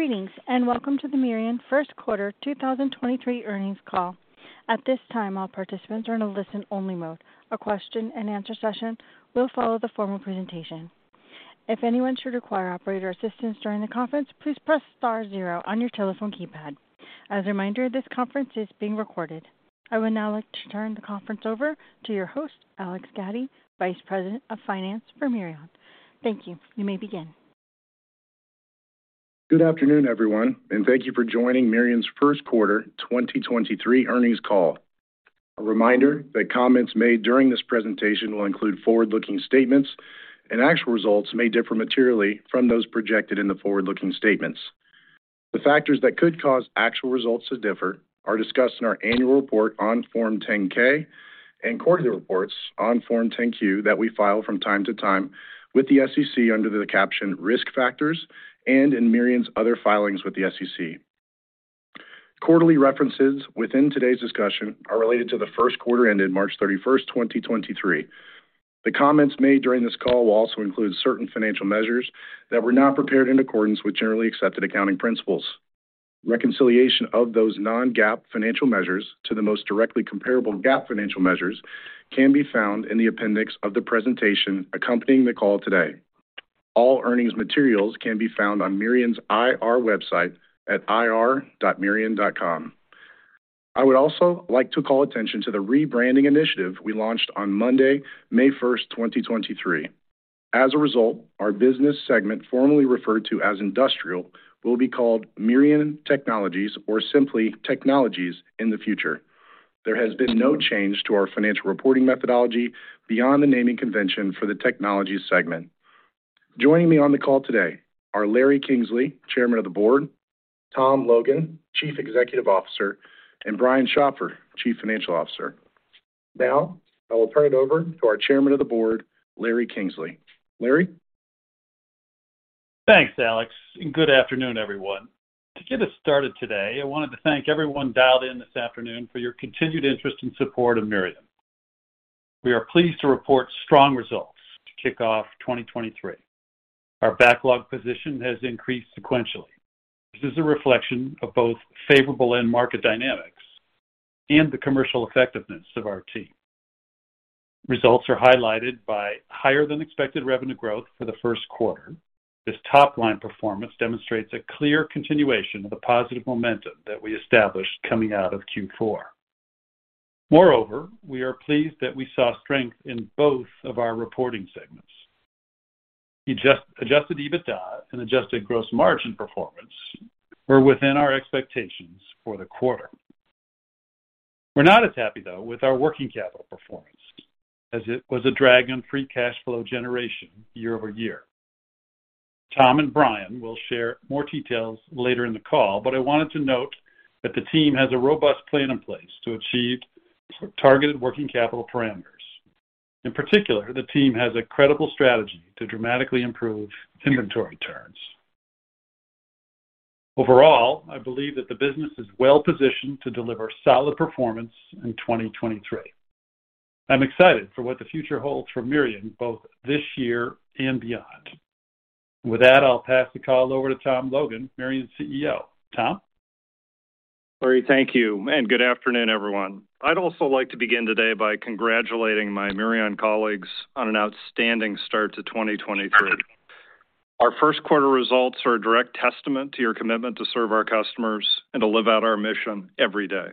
Greetings, and welcome to the Mirion first quarter 2023 earnings call. At this time, all participants are in a listen only mode. A question and answer session will follow the formal presentation. If anyone should require operator assistance during the conference, please press star 0 on your telephone keypad. As a reminder, this conference is being recorded. I would now like to turn the conference over to your host, Alex Gaddy, Vice President of Finance for Mirion. Thank you. You may begin. Good afternoon, everyone, and thank you for joining Mirion's first quarter 2023 earnings call. A reminder that comments made during this presentation will include forward-looking statements, and actual results may differ materially from those projected in the forward-looking statements. The factors that could cause actual results to differ are discussed in our annual report on Form 10-K and quarterly reports on Form 10-Q that we file from time to time with the SEC under the caption Risk Factors and in Mirion's other filings with the SEC. Quarterly references within today's discussion are related to the first quarter ended March 31, 2023. The comments made during this call will also include certain financial measures that were not prepared in accordance with Generally Accepted Accounting Principles. Reconciliation of those non-GAAP financial measures to the most directly comparable GAAP financial measures can be found in the appendix of the presentation accompanying the call today. All earnings materials can be found on Mirion's IR website at ir.mirion.com. I would also like to call attention to the rebranding initiative we launched on Monday, May 1, 2023. As a result, our business segment formerly referred to as Industrial will be called Mirion Technologies or simply Technologies in the future. There has been no change to our financial reporting methodology beyond the naming convention for the Technologies segment. Joining me on the call today are Larry Kingsley, Chairman of the Board, Tom Logan, Chief Executive Officer, and Brian Schopfer, Chief Financial Officer. I will turn it over to our Chairman of the Board, Larry Kingsley. Larry. Thanks, Alex. Good afternoon, everyone. To get us started today, I wanted to thank everyone dialed in this afternoon for your continued interest and support of Mirion. We are pleased to report strong results to kick off 2023. Our backlog position has increased sequentially. This is a reflection of both favorable end market dynamics and the commercial effectiveness of our team. Results are highlighted by higher than expected revenue growth for the first quarter. This top-line performance demonstrates a clear continuation of the positive momentum that we established coming out of Q4. We are pleased that we saw strength in both of our reporting segments. Adjusted EBITDA and adjusted gross margin performance were within our expectations for the quarter. We're not as happy, though, with our working capital performance as it was a drag on free cash flow generation year-over-year. Tom and Brian will share more details later in the call, but I wanted to note that the team has a robust plan in place to achieve targeted working capital parameters. In particular, the team has a credible strategy to dramatically improve inventory turns. Overall, I believe that the business is well-positioned to deliver solid performance in 2023. I'm excited for what the future holds for Mirion both this year and beyond. With that, I'll pass the call over to Tom Logan, Mirion's CEO. Tom. Larry, thank you, and good afternoon, everyone. I'd also like to begin today by congratulating my Mirion colleagues on an outstanding start to 2023. Our first quarter results are a direct testament to your commitment to serve our customers and to live out our mission every day.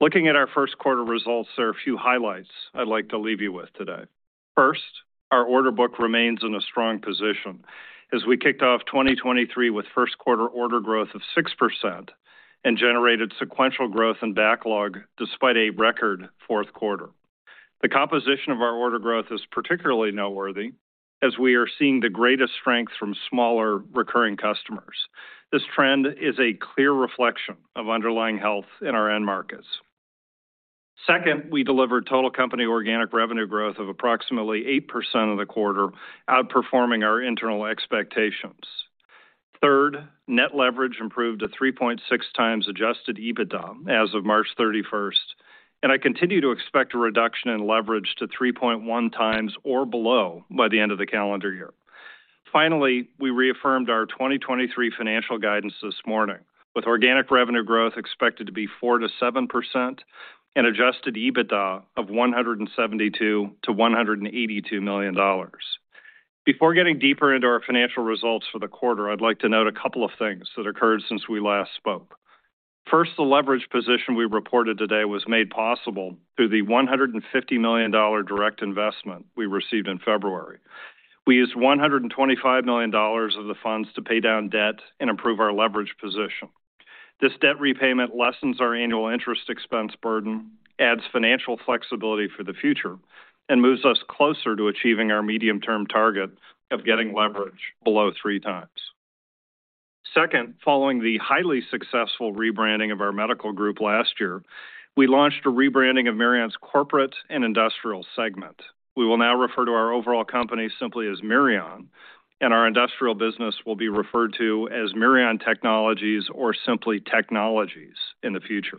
Looking at our first quarter results, there are a few highlights I'd like to leave you with today. First, our order book remains in a strong position as we kicked off 2023 with first quarter order growth of 6% and generated sequential growth and backlog despite a record fourth quarter. The composition of our order growth is particularly noteworthy as we are seeing the greatest strength from smaller recurring customers. This trend is a clear reflection of underlying health in our end markets. Second, we delivered total company organic revenue growth of approximately 8% of the quarter, outperforming our internal expectations. Third, net leverage improved to 3.6x Adjusted EBITDA as of March 31st, and I continue to expect a reduction in leverage to 3.1x or below by the end of the calendar year. Finally, we reaffirmed our 2023 financial guidance this morning with organic revenue growth expected to be 4%-7% and Adjusted EBITDA of $172 million-$182 million. Before getting deeper into our financial results for the quarter, I'd like to note a couple of things that occurred since we last spoke. First, the leverage position we reported today was made possible through the $150 million direct investment we received in February. We used $125 million of the funds to pay down debt and improve our leverage position. This debt repayment lessens our annual interest expense burden, adds financial flexibility for the future, and moves us closer to achieving our medium-term target of getting leverage below three times. Second, following the highly successful rebranding of our medical group last year, we launched a rebranding of Mirion's corporate and Industrial segment. We will now refer to our overall company simply as Mirion, and our Industrial business will be referred to as Mirion Technologies or simply Technologies in the future.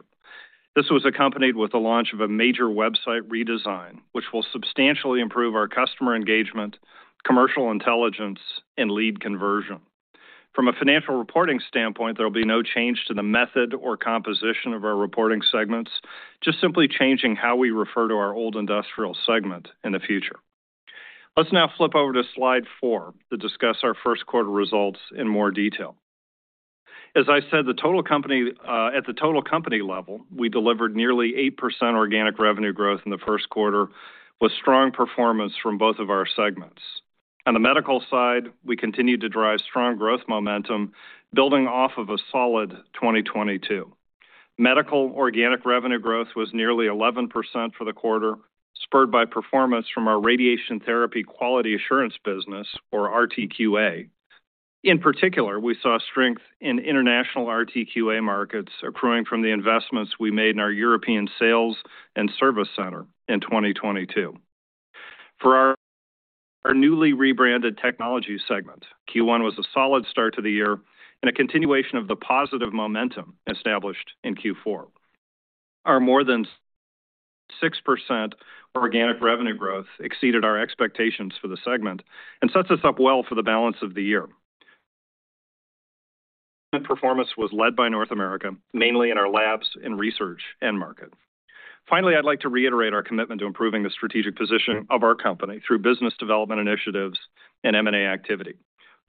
This was accompanied with the launch of a major website redesign, which will substantially improve our customer engagement, commercial intelligence, and lead conversion. From a financial reporting standpoint, there will be no change to the method or composition of our reporting segments, just simply changing how we refer to our old industrial segment in the future. Let's now flip over to slide four to discuss our first quarter results in more detail. As I said, the total company, at the total company level, we delivered nearly 8% organic revenue growth in the first quarter, with strong performance from both of our segments. On the medical side, we continued to drive strong growth momentum, building off of a solid 2022. Medical organic revenue growth was nearly 11% for the quarter, spurred by performance from our radiation therapy quality assurance business or RTQA. In particular, we saw strength in international RTQA markets accruing from the investments we made in our European sales and service center in 2022. For our newly rebranded technology segment, Q1 was a solid start to the year and a continuation of the positive momentum established in Q4. Our more than 6% organic revenue growth exceeded our expectations for the segment and sets us up well for the balance of the year. Performance was led by North America, mainly in our labs and research end market. Finally, I'd like to reiterate our commitment to improving the strategic position of our company through business development initiatives and M&A activity.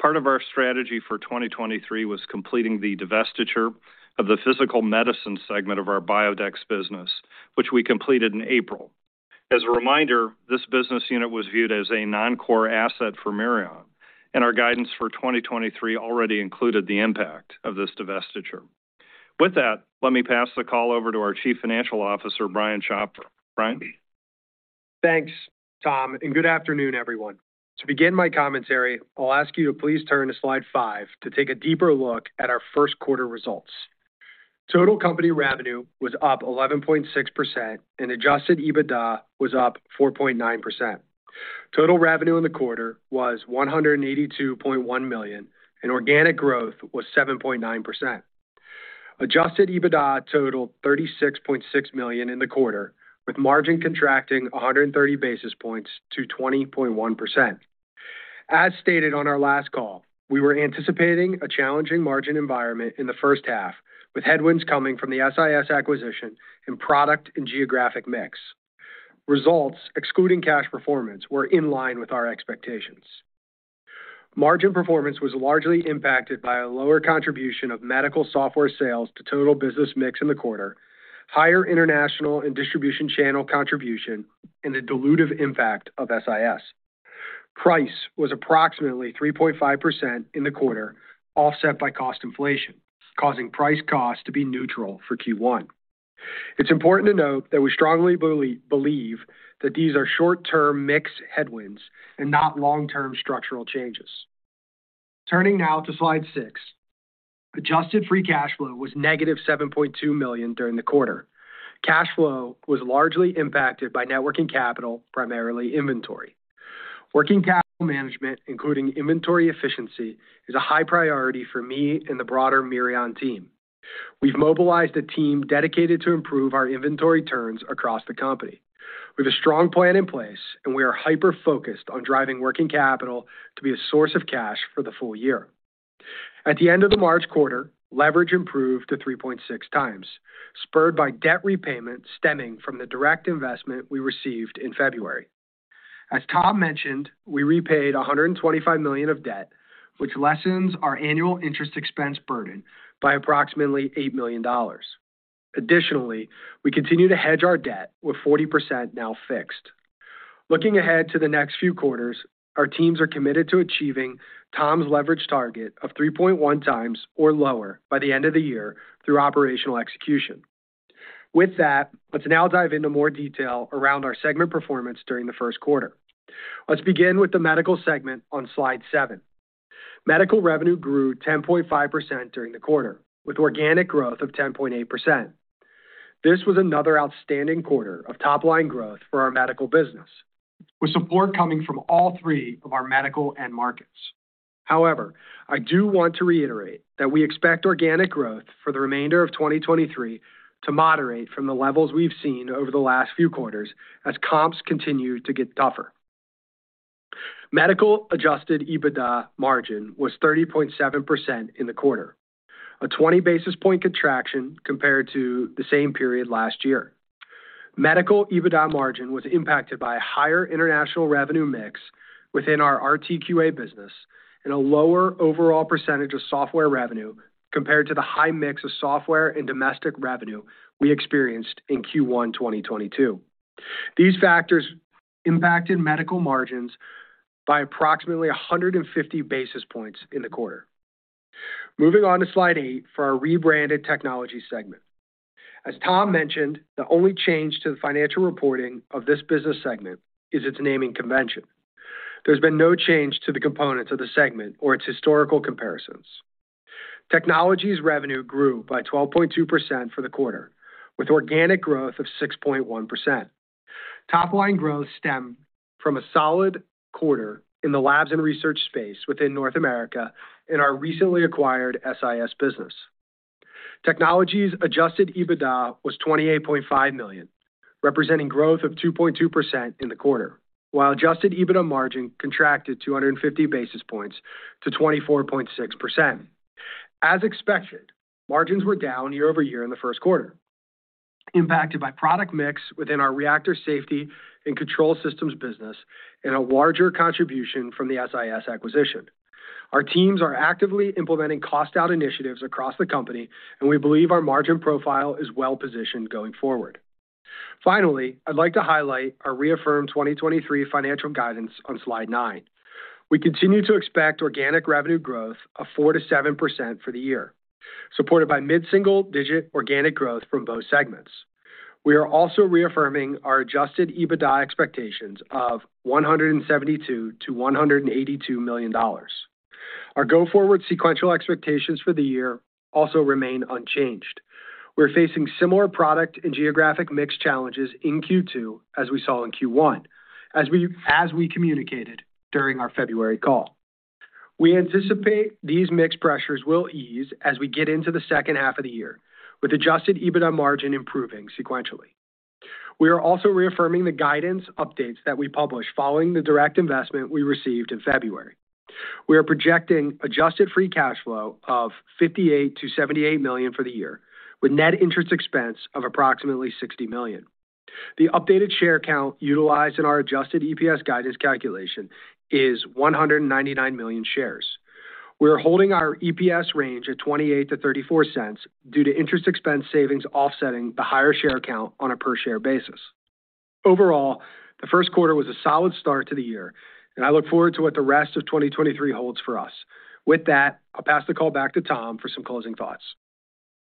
Part of our strategy for 2023 was completing the divestiture of the physical medicine segment of our Biodex business, which we completed in April. As a reminder, this business unit was viewed as a non-core asset for Mirion, and our guidance for 2023 already included the impact of this divestiture. With that, let me pass the call over to our Chief Financial Officer, Brian Schopfer. Brian? Thanks, Tom, good afternoon, everyone. To begin my commentary, I'll ask you to please turn to slide five to take a deeper look at our first quarter results. Total company revenue was up 11.6% and Adjusted EBITDA was up 4.9%. Total revenue in the quarter was $182.1 million, and organic growth was 7.9%. Adjusted EBITDA totaled $36.6 million in the quarter, with margin contracting 130 basis points to 20.1%. As stated on our last call, we were anticipating a challenging margin environment in the first half, with headwinds coming from the SIS acquisition and product and geographic mix. Results excluding cash performance were in line with our expectations. Margin performance was largely impacted by a lower contribution of medical software sales to total business mix in the quarter, higher international and distribution channel contribution, and the dilutive impact of SIS. Price was approximately 3.5% in the quarter, offset by cost inflation, causing price cost to be neutral for Q1. It's important to note that we strongly believe that these are short-term mix headwinds and not long-term structural changes. Turning now to slide six, adjusted free cash flow was -$7.2 million during the quarter. Cash flow was largely impacted by net working capital, primarily inventory. Working capital management, including inventory efficiency, is a high priority for me and the broader Mirion team. We've mobilized a team dedicated to improve our inventory turns across the company. We have a strong plan in place. We are hyper-focused on driving working capital to be a source of cash for the full year. At the end of the March quarter, leverage improved to 3.6x, spurred by debt repayment stemming from the direct investment we received in February. As Tom mentioned, we repaid $125 million of debt, which lessens our annual interest expense burden by approximately $8 million. We continue to hedge our debt, with 40% now fixed. Looking ahead to the next few quarters, our teams are committed to achieving Tom's leverage target of 3.1x or lower by the end of the year through operational execution. Let's now dive into more detail around our segment performance during the first quarter. Let's begin with the medical segment on slide seven. Medical revenue grew 10.5% during the quarter, with organic growth of 10.8%. This was another outstanding quarter of top-line growth for our medical business, with support coming from all three of our medical end markets. I do want to reiterate that we expect organic growth for the remainder of 2023 to moderate from the levels we've seen over the last few quarters as comps continue to get tougher. Medical Adjusted EBITDA margin was 30.7% in the quarter, a 20 basis point contraction compared to the same period last year. Medical EBITDA margin was impacted by a higher international revenue mix within our RTQA business and a lower overall percentage of software revenue compared to the high mix of software and domestic revenue we experienced in Q1 2022. These factors impacted medical margins by approximately 150 basis points in the quarter. Moving on to slide eight for our rebranded Technology segment. As Tom mentioned, the only change to the financial reporting of this business segment is its naming convention. There's been no change to the components of the segment or its historical comparisons. Technology's revenue grew by 12.2% for the quarter, with organic growth of 6.1%. Top line growth stemmed from a solid quarter in the labs and research space within North America in our recently acquired SIS business. Technology's Adjusted EBITDA was $28.5 million, representing growth of 2.2% in the quarter, while Adjusted EBITDA margin contracted 250 basis points to 24.6%. As expected, margins were down year-over-year in the first quarter, impacted by product mix within our reactor safety and control systems business and a larger contribution from the SIS acquisition. Our teams are actively implementing cost out initiatives across the company, and we believe our margin profile is well-positioned going forward. Finally, I'd like to highlight our reaffirmed 2023 financial guidance on slide nine. We continue to expect organic revenue growth of 4%-7% for the year, supported by mid-single digit organic growth from both segments. We are also reaffirming our Adjusted EBITDA expectations of $172 million-$182 million. Our go-forward sequential expectations for the year also remain unchanged. We're facing similar product and geographic mix challenges in Q2 as we saw in Q1. As we communicated during our February call. We anticipate these mix pressures will ease as we get into the second half of the year, with Adjusted EBITDA margin improving sequentially. We are also reaffirming the guidance updates that we published following the direct investment we received in February. We are projecting adjusted free cash flow of $58 million-$78 million for the year, with net interest expense of approximately $60 million. The updated share count utilized in our adjusted EPS guidance calculation is 199 million shares. We are holding our EPS range at $0.28-$0.34 due to interest expense savings offsetting the higher share count on a per share basis. Overall, the first quarter was a solid start to the year, and I look forward to what the rest of 2023 holds for us. With that, I'll pass the call back to Tom for some closing thoughts.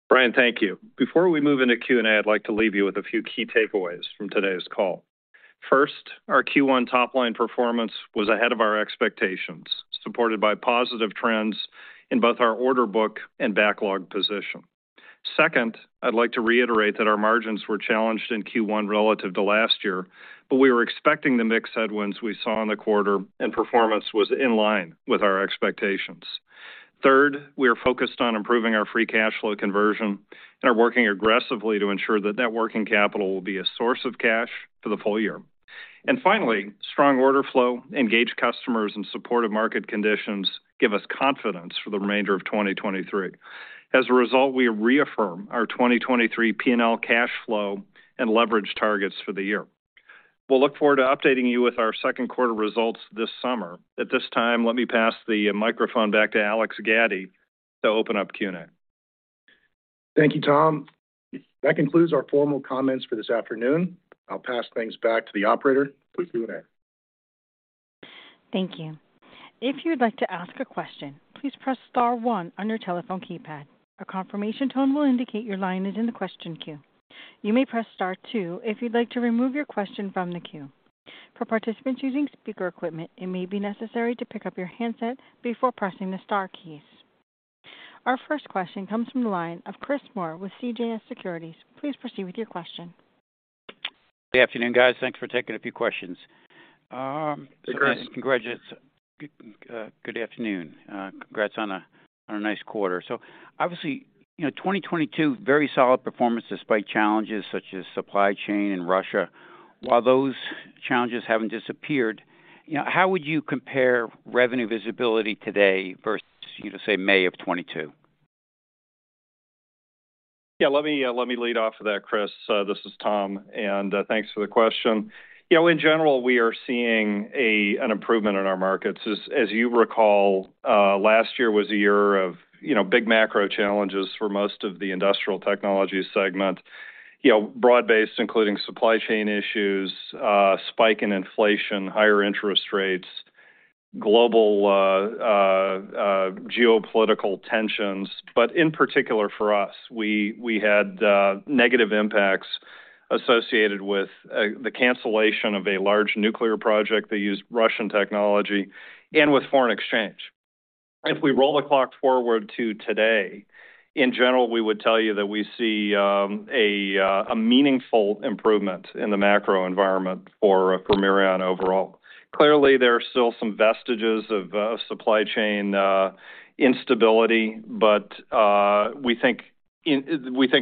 Brian, thank you. Before we move into Q&A, I'd like to leave you with a few key takeaways from today's call. First, our Q1 top line performance was ahead of our expectations, supported by positive trends in both our order book and backlog position. Second, I'd like to reiterate that our margins were challenged in Q1 relative to last year, but we were expecting the mix headwinds we saw in the quarter and performance was in line with our expectations. Third, we are focused on improving our free cash flow conversion and are working aggressively to ensure that net working capital will be a source of cash for the full year. Finally, strong order flow, engaged customers, and supportive market conditions give us confidence for the remainder of 2023. As a result, we reaffirm our 2023 P&L cash flow and leverage targets for the year. We'll look forward to updating you with our second quarter results this summer. At this time, let me pass the microphone back to Alex Gaddy to open up Q&A. Thank you, Tom. That concludes our formal comments for this afternoon. I'll pass things back to the operator for Q&A. Thank you. If you'd like to ask a question, please press star one on your telephone keypad. A confirmation tone will indicate your line is in the question queue. You may press star two if you'd like to remove your question from the queue. For participants using speaker equipment, it may be necessary to pick up your handset before pressing the star keys. Our first question comes from the line of Chris Moore with CJS Securities. Please proceed with your question. Good afternoon, guys. Thanks for taking a few questions. Hey, Chris. Congrats. Good afternoon. Congrats on a nice quarter. Obviously, you know, 2022, very solid performance despite challenges such as supply chain and Russia. While those challenges haven't disappeared, you know, how would you compare revenue visibility today versus, you know, say, May of 2022? Yeah, let me, let me lead off with that, Chris. This is Tom, thanks for the question. You know, in general, we are seeing an improvement in our markets. As you recall, last year was a year of, you know, big macro challenges for most of the industrial technology segment. You know, broad-based, including supply chain issues, spike in inflation, higher interest rates, global geopolitical tensions. In particular for us, we had negative impacts associated with the cancellation of a large nuclear project that used Russian technology and with foreign exchange. If we roll the clock forward to today, in general, we would tell you that we see a meaningful improvement in the macro environment for Mirion overall. Clearly, there are still some vestiges of supply chain instability, but we think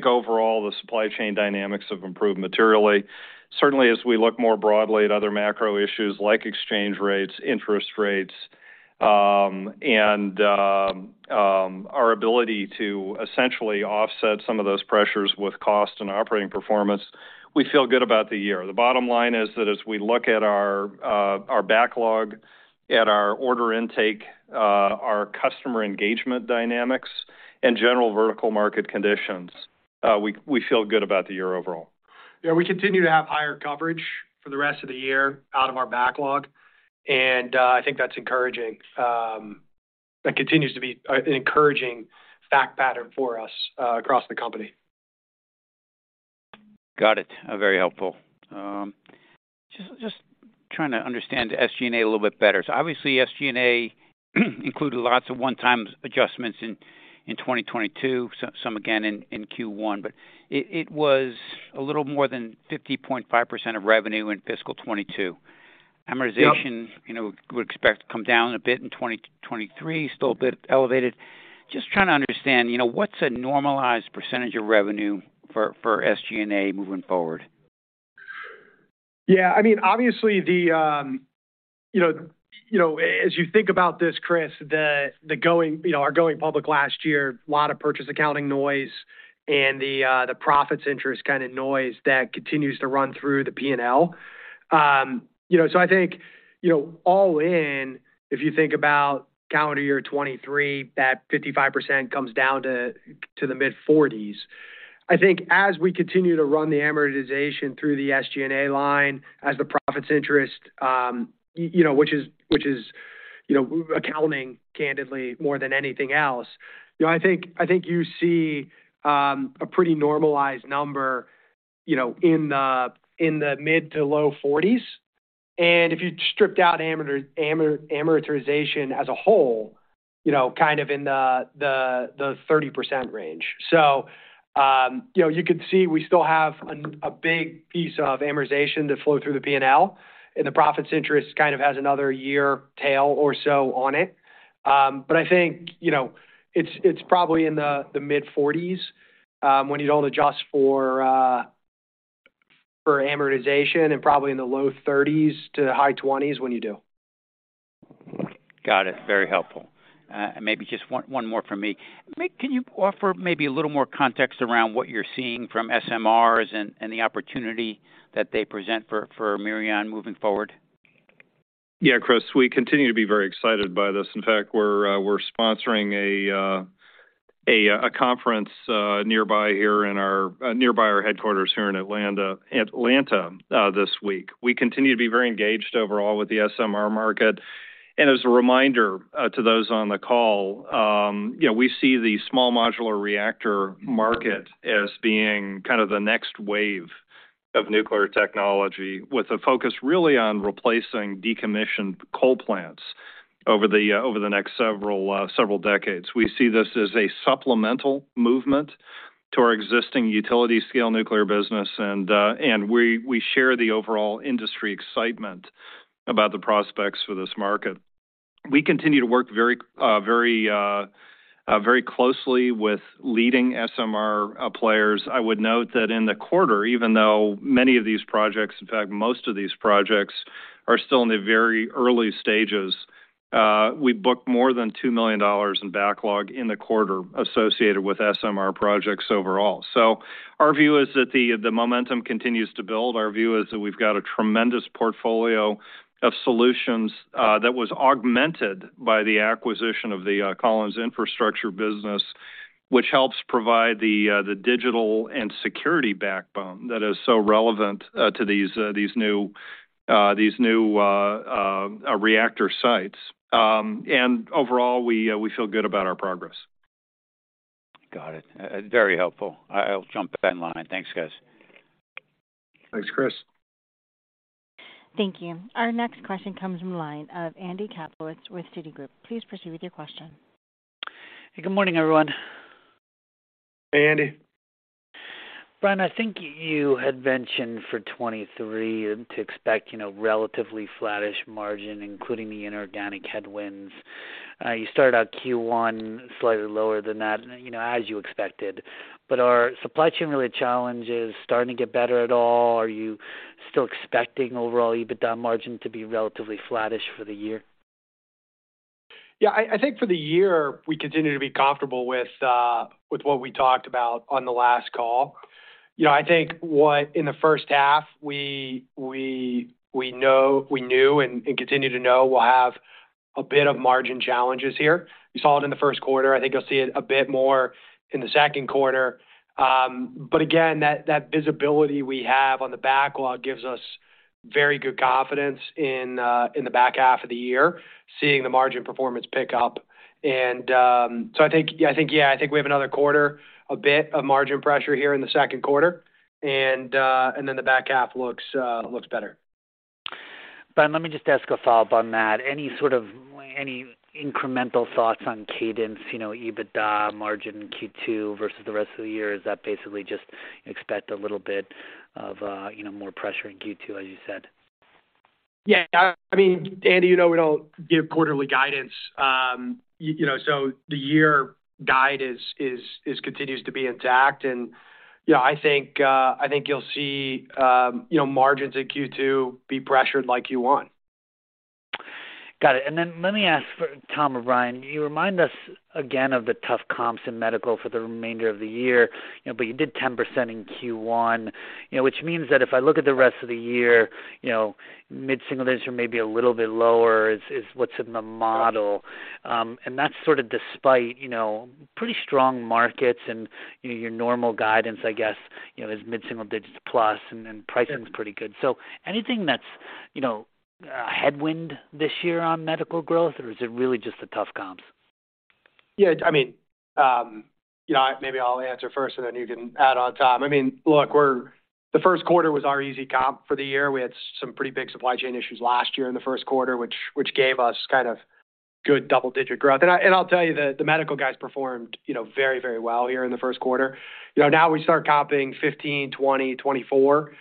overall, the supply chain dynamics have improved materially. Certainly as we look more broadly at other macro issues like exchange rates, interest rates, and our ability to essentially offset some of those pressures with cost and operating performance, we feel good about the year. The bottom line is that as we look at our backlog, at our order intake, our customer engagement dynamics and general vertical market conditions, we feel good about the year overall. Yeah, we continue to have higher coverage for the rest of the year out of our backlog, and I think that's encouraging. That continues to be an encouraging fact pattern for us across the company. Got it. Very helpful. Trying to understand SG&A a little bit better. Obviously, SG&A included lots of one-time adjustments in 2022, some again in Q1. It was a little more than 50.5% of revenue in fiscal 2022. Yep. Amortization, you know, we would expect to come down a bit in 2023, still a bit elevated. Just trying to understand, you know, what's a normalized % of revenue for SG&A moving forward? Yeah, I mean, obviously the, you know, you know, as you think about this, Chris, the going, you know, our going public last year, a lot of purchase accounting noise and the profits interest kind of noise that continues to run through the P&L. I think, you know, all in, if you think about calendar year 2023, that 55% comes down to the mid-40s. I think as we continue to run the amortization through the SG&A line as the profits interest, you know, which is, you know, accounting candidly more than anything else, you know, I think, I think you see a pretty normalized number, you know, in the mid- to low 40s. If you stripped out amortization as a whole, you know, kind of in the 30% range. You know, you could see we still have a big piece of amortization to flow through the P&L, and the profits interest kind of has another year tail or so on it. I think, you know, it's probably in the mid-forties when you don't adjust for amortization and probably in the low thirties to high twenties when you do. Got it. Very helpful. Maybe just one more from me. Can you offer maybe a little more context around what you're seeing from SMRs and the opportunity that they present for Mirion moving forward? Yeah, Chris, we continue to be very excited by this. In fact, we're sponsoring a conference nearby our headquarters here in Atlanta this week. We continue to be very engaged overall with the SMR market. As a reminder, to those on the call, you know, we see the small modular reactor market as being kind of the next wave of nuclear technology with a focus really on replacing decommissioned coal plants over the next several decades. We see this as a supplemental movement to our existing utility scale nuclear business, and we share the overall industry excitement about the prospects for this market. We continue to work very closely with leading SMR players. I would note that in the quarter, even though many of these projects, in fact, most of these projects are still in the very early stages, we booked more than $2 million in backlog in the quarter associated with SMR projects overall. Our view is that the momentum continues to build. Our view is that we've got a tremendous portfolio of solutions, that was augmented by the acquisition of the Collins infrastructure business, which helps provide the digital and security backbone that is so relevant to these new reactor sites. Overall, we feel good about our progress. Got it. very helpful. I'll jump back in line. Thanks, guys. Thanks, Chris. Thank you. Our next question comes from the line of Andy Kaplowitz with Citigroup. Please proceed with your question. Good morning, everyone. Hey, Andy. Brian, I think you had mentioned for 23 to expect, you know, relatively flattish margin, including the inorganic headwinds. You started out Q1 slightly lower than that, you know, as you expected. Are supply chain-related challenges starting to get better at all? Are you still expecting overall EBITDA margin to be relatively flattish for the year? Yeah, I think for the year, we continue to be comfortable with what we talked about on the last call. You know, I think what in the first half, we knew and continue to know we'll have a bit of margin challenges here. You saw it in the first quarter. I think you'll see it a bit more in the second quarter. Again, that visibility we have on the backlog gives us very good confidence in the back half of the year, seeing the margin performance pick up. I think, yeah, I think we have another quarter, a bit of margin pressure here in the second quarter, and then the back half looks better. Brian, let me just ask a follow-up on that. Any sort of any incremental thoughts on cadence, you know, EBITDA margin Q2 versus the rest of the year? Is that basically just expect a little bit of, you know, more pressure in Q2, as you said? Yeah. I mean, Andy, you know, we don't give quarterly guidance. You know, the year guide is continues to be intact. You know, I think you'll see, you know, margins in Q2 be pressured like Q1. Got it. Let me ask for Tom or Brian. Can you remind us again of the tough comps in medical for the remainder of the year? You know, you did 10% in Q1, you know, which means that if I look at the rest of the year, you know, mid-single digits or maybe a little bit lower is what's in the model. That's sort of despite, you know, pretty strong markets and, you know, your normal guidance, I guess, you know, is mid-single digits plus, and then pricing is pretty good. Anything that's, you know, a headwind this year on medical growth, or is it really just the tough comps? Yeah, I mean, you know, maybe I'll answer first, and then you can add on top. I mean, look, the first quarter was our easy comp for the year. We had some pretty big supply chain issues last year in the first quarter, which gave us kind of good double-digit growth. I'll tell you that the medical guys performed, you know, very, very well here in the first quarter. You know, now we start comping 15, 20, 24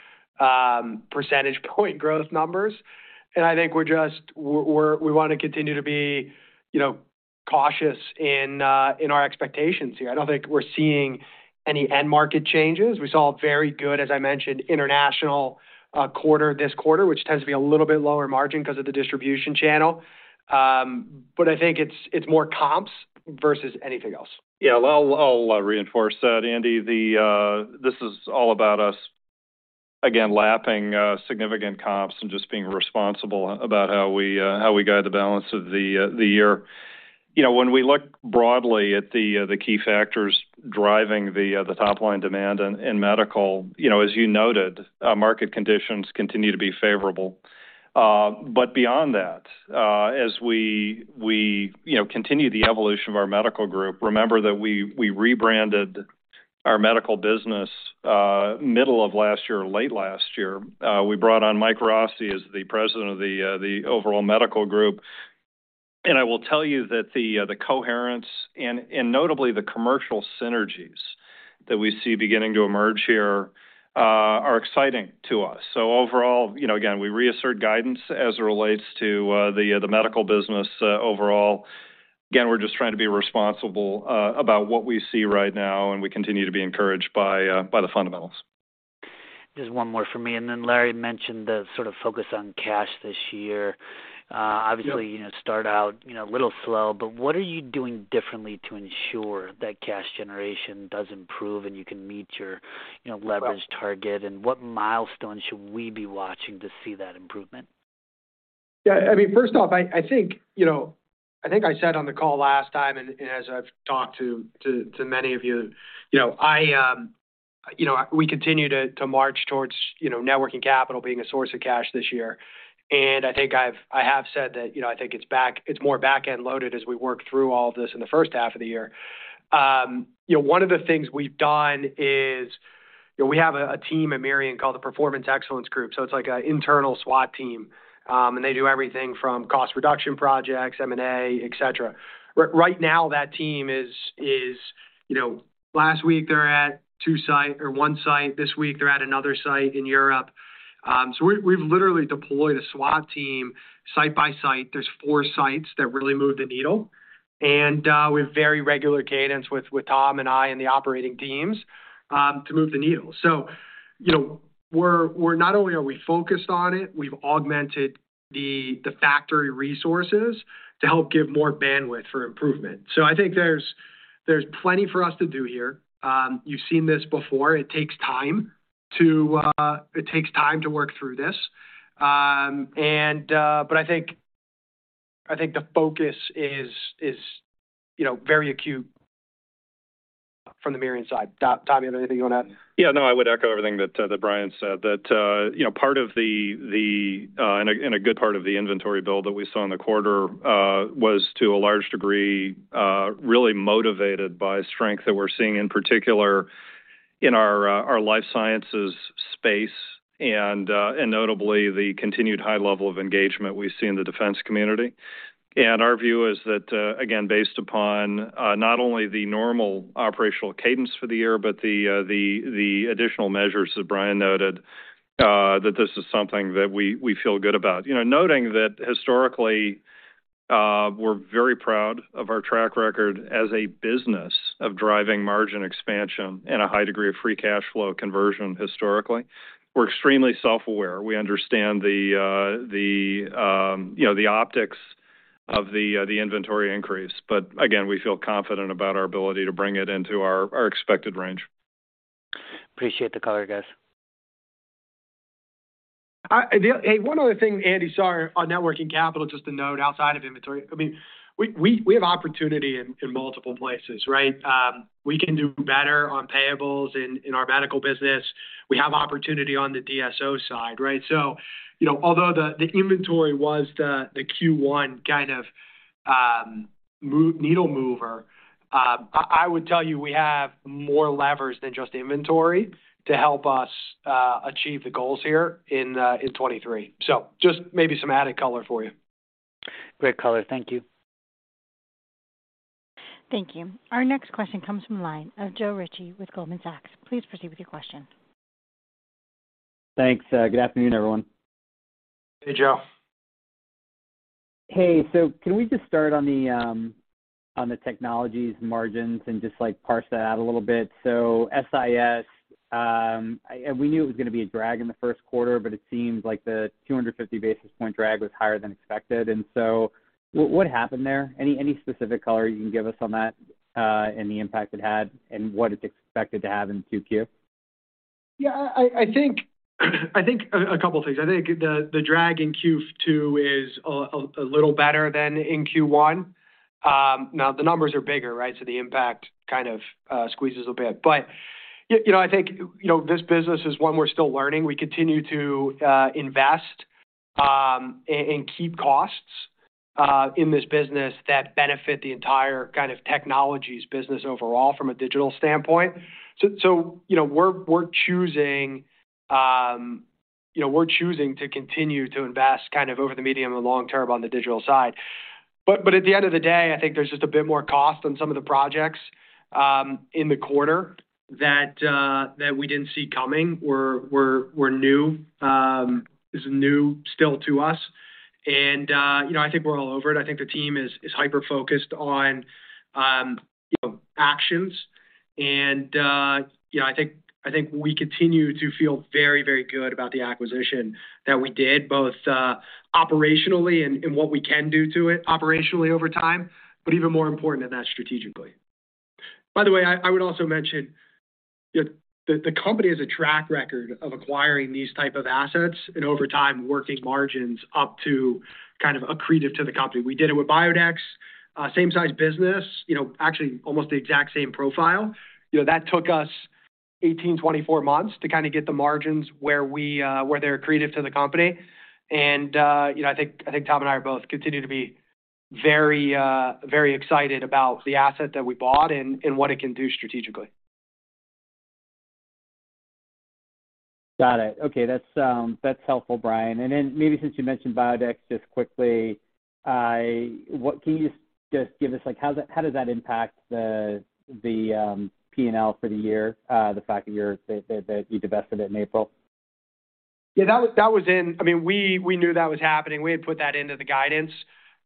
percentage point growth numbers. I think we're just we're we wanna continue to be, you know, cautious in our expectations here. I don't think we're seeing any end market changes. We saw a very good, as I mentioned, international quarter this quarter, which tends to be a little bit lower margin 'cause of the distribution channel. I think it's more comps versus anything else. Yeah. Well, I'll reinforce that, Andy. This is all about us, again, lapping significant comps and just being responsible about how we guide the balance of the year. You know, when we look broadly at the key factors driving the top-line demand in medical, you know, as you noted, market conditions continue to be favorable. Beyond that, as we, you know, continue the evolution of our medical group, remember that we rebranded our medical business middle of last year or late last year. We brought on Michael Rossi as the President of the overall medical group. I will tell you that the coherence and notably the commercial synergies that we see beginning to emerge here are exciting to us. Overall, you know, again, we reassert guidance as it relates to the medical business overall. Again, we're just trying to be responsible about what we see right now, and we continue to be encouraged by the fundamentals. Just one more from me, and then Larry mentioned the sort of focus on cash this year. Yeah. Obviously, you know, start out, you know, a little slow, but what are you doing differently to ensure that cash generation does improve and you can meet your, you know, leverage target? What milestones should we be watching to see that improvement? I mean, first off, I think, you know, I think I said on the call last time, as I've talked to many of you know, I, you know, we continue to march towards, you know, networking capital being a source of cash this year. I have said that, you know, I think it's more back-end loaded as we work through all of this in the first half of the year. You know, one of the things we've done is, you know, we have a team at Mirion called the Performance Excellence Group, so it's like an internal SWAT team. They do everything from cost reduction projects, M&A, et cetera. Right now, that team is, you know... Last week, they're at two site or one site. This week they're at another site in Europe. We've literally deployed a SWAT team site by site. There's four sites that really move the needle, with very regular cadence with Tom and I and the operating teams, to move the needle. You know, we're not only are we focused on it, we've augmented the factory resources to help give more bandwidth for improvement. I think there's plenty for us to do here. You've seen this before. It takes time to work through this. I think, I think the focus is, you know, very acute from the Mirion side. Tom, you have anything on that? Yeah. No, I would echo everything that Brian said, you know, part of the, and a good part of the inventory build that we saw in the quarter, was, to a large degree, really motivated by strength that we're seeing, in particular in our life sciences space and notably the continued high level of engagement we see in the defense community. Our view is that again, based upon not only the normal operational cadence for the year but the additional measures, as Brian noted, that this is something that we feel good about. You know, noting that historically, we're very proud of our track record as a business of driving margin expansion and a high degree of free cash flow conversion historically. We're extremely self-aware. We understand the, you know, the optics of the inventory increase. Again, we feel confident about our ability to bring it into our expected range. Appreciate the color, guys. One other thing, Andy, sorry, on networking capital, just to note outside of inventory, I mean, we have opportunity in multiple places, right? We can do better on payables in our medical business. We have opportunity on the DSO side, right? You know, although the inventory was the Q1 kind of needle mover, I would tell you we have more levers than just inventory to help us achieve the goals here in 2023. Just maybe some added color for you. Great color. Thank you. Thank you. Our next question comes from the line of Joe Ritchie with Goldman Sachs. Please proceed with your question. Thanks. Good afternoon, everyone. Hey, Joe. Hey. Can we just start on the on the Technologies margins and just, like, parse that out a little bit? SIS, we knew it was gonna be a drag in the first quarter, but it seems like the 250 basis point drag was higher than expected. What happened there? Any specific color you can give us on that, and the impact it had and what it's expected to have in 2Q? I think a couple things. I think the drag in Q2 is a little better than in Q1. Now the numbers are bigger, right? The impact kind of squeezes a bit. You know, I think, you know, this business is one we're still learning. We continue to invest, and keep costs in this business that benefit the entire kind of technologies business overall from a digital standpoint. You know, we're choosing, you know, we're choosing to continue to invest kind of over the medium and long term on the digital side. At the end of the day, I think there's just a bit more cost on some of the projects in the quarter that we didn't see coming. We're new, is new still to us. You know, I think we're all over it. I think the team is hyper-focused on, you know, actions. You know, I think we continue to feel very, very good about the acquisition that we did, both operationally and what we can do to it operationally over time, but even more important than that strategically. By the way, I would also mention the company has a track record of acquiring these type of assets and over time working margins up to kind of accretive to the company. We did it with Biodex, same size business, you know, actually almost the exact same profile. You know, that took us 18-24 months to kind of get the margins where we where they're accretive to the company. You know, I think Tom and I both continue to be very excited about the asset that we bought and what it can do strategically. Got it. Okay, that's helpful, Brian. Then maybe since you mentioned Biodex, just quickly, can you just give us, like, how does that impact the P&L for the year, the fact that you divested it in April? I mean, we knew that was happening. We had put that into the guidance.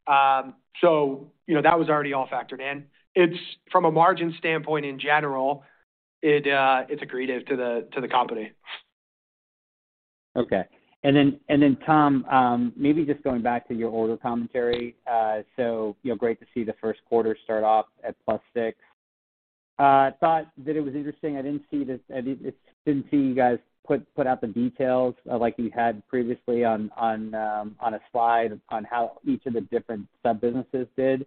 You know, that was already all factored in. It's from a margin standpoint in general, it's accretive to the company. Okay. Then, Tom, maybe just going back to your order commentary. You know, great to see the first quarter start off at +6%. Thought that it was interesting. I didn't see you guys put out the details like you had previously on a slide on how each of the different sub-businesses did.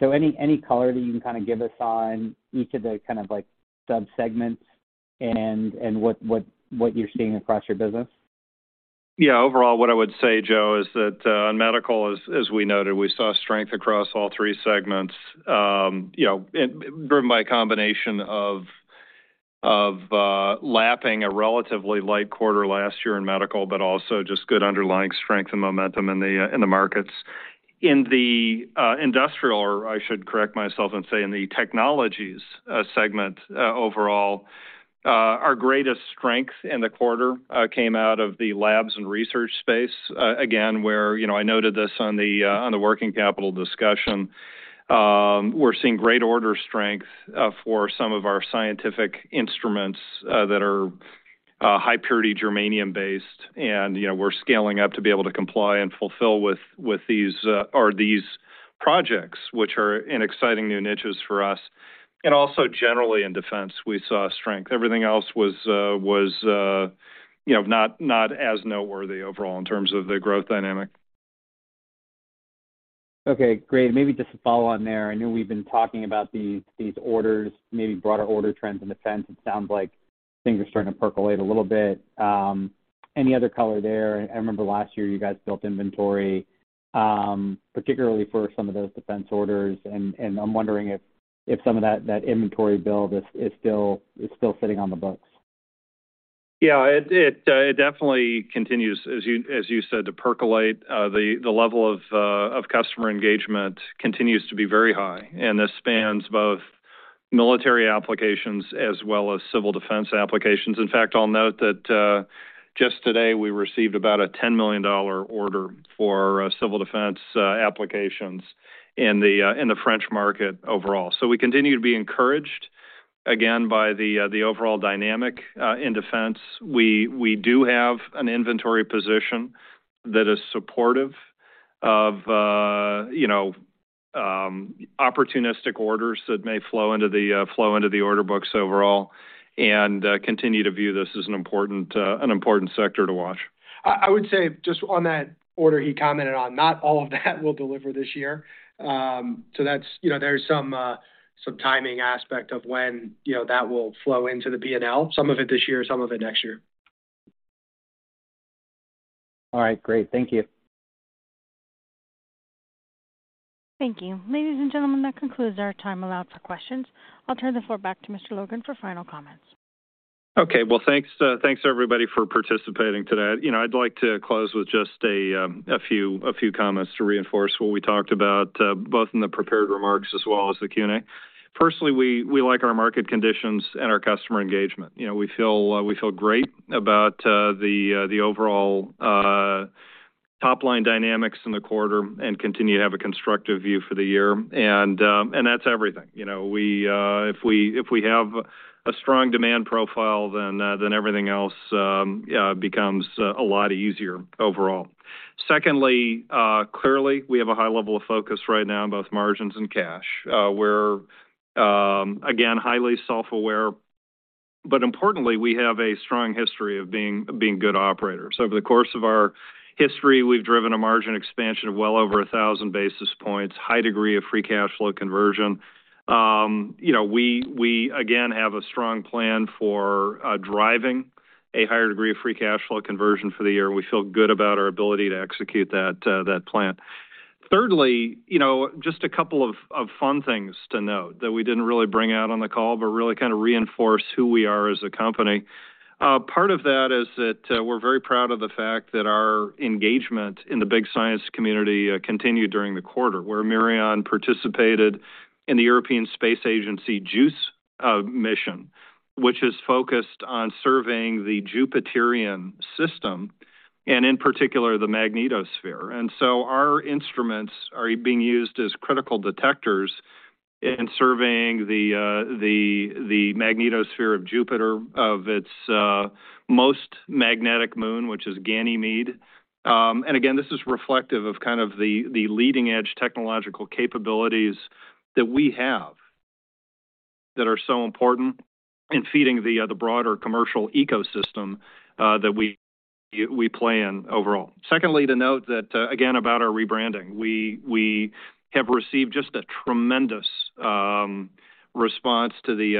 Any color that you can kinda give us on each of the kind of like sub-segments and what you're seeing across your business? Overall, what I would say, Joe, is that on medical, as we noted, we saw strength across all three segments, you know, driven by a combination of lapping a relatively light quarter last year in medical, but also just good underlying strength and momentum in the markets. In the industrial, or I should correct myself and say in the technologies segment, overall, our greatest strength in the quarter came out of the labs and research space, again, where, you know, I noted this on the working capital discussion. We're seeing great order strength for some of our scientific instruments that are high-purity germanium-based, and, you know, we're scaling up to be able to comply and fulfill with these or these projects, which are in exciting new niches for us. Also generally in defense, we saw strength. Everything else was, you know, not as noteworthy overall in terms of the growth dynamic. Okay, great. Maybe just to follow on there. I know we've been talking about these orders, maybe broader order trends in defense. It sounds like things are starting to percolate a little bit. Any other color there? I remember last year you guys built inventory, particularly for some of those defense orders, and I'm wondering if some of that inventory build is still sitting on the books. It definitely continues, as you said, to percolate. The level of customer engagement continues to be very high, and this spans both military applications as well as civil defense applications. In fact, I'll note that just today, we received about a $10 million order for civil defense applications in the French market overall. We continue to be encouraged, again, by the overall dynamic in defense. We do have an inventory position that is supportive of, you know, opportunistic orders that may flow into the order books overall and continue to view this as an important sector to watch. I would say just on that order he commented on, not all of that will deliver this year. That's, you know, there's some timing aspect of when, you know, that will flow into the P&L, some of it this year, some of it next year. All right, great. Thank you. Thank you. Ladies and gentlemen, that concludes our time allowed for questions. I'll turn the floor back to Mr. Logan for final comments. Okay. Well, thanks, everybody, for participating today. You know, I'd like to close with just a few comments to reinforce what we talked about both in the prepared remarks as well as the Q&A. Firstly, we like our market conditions and our customer engagement. You know, we feel great about the overall top-line dynamics in the quarter and continue to have a constructive view for the year. That's everything. You know, if we have a strong demand profile, then everything else becomes a lot easier overall. Secondly, clearly, we have a high level of focus right now on both margins and cash. We're again, highly self-aware, but importantly, we have a strong history of being good operators. Over the course of our history, we've driven a margin expansion of well over 1,000 basis points, high degree of free cash flow conversion. you know, we, again, have a strong plan for driving a higher degree of free cash flow conversion for the year. We feel good about our ability to execute that plan. Thirdly, you know, just a couple of fun things to note that we didn't really bring out on the call but really kind of reinforce who we are as a company. part of that is that we're very proud of the fact that our engagement in the big science community, continued during the quarter, where Mirion participated in the European Space Agency JUICE mission, which is focused on surveying the Jovian system and in particular, the magnetosphere. Our instruments are being used as critical detectors in surveying the magnetosphere of Jupiter of its most magnetic moon, which is Ganymede. Again, this is reflective of kind of the leading edge technological capabilities that we have that are so important in feeding the broader commercial ecosystem that we play in overall. Secondly, to note that again, about our rebranding. We have received just a tremendous response to the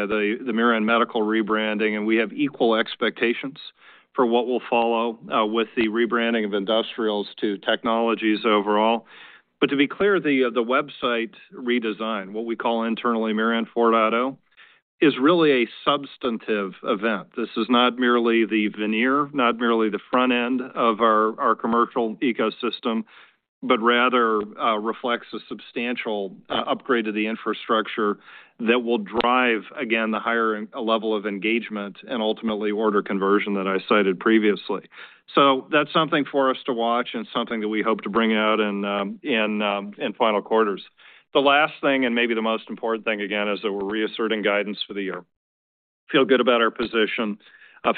Mirion Medical rebranding, and we have equal expectations for what will follow with the rebranding of Industrial to Technologies overall. To be clear, the website redesign, what we call internally Mirion Forward Auto, is really a substantive event. This is not merely the veneer, not merely the front end of our commercial ecosystem, but rather, reflects a substantial upgrade to the infrastructure that will drive, again, the higher level of engagement and ultimately order conversion that I cited previously. That's something for us to watch and something that we hope to bring out in final quarters. The last thing and maybe the most important thing, again, is that we're reasserting guidance for the year. Feel good about our position,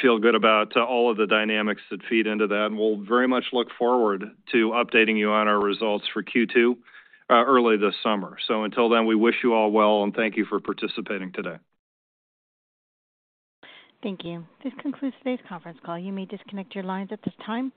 feel good about all of the dynamics that feed into that, and we'll very much look forward to updating you on our results for Q2 early this summer. Until then, we wish you all well, and thank you for participating today. Thank you. This concludes today's conference call. You may disconnect your lines at this time.